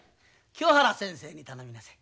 清原先生に頼みなさい。